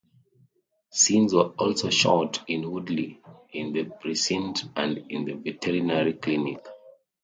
Scenes were also shot in Woodley, in the precinct and in the veterinary clinic.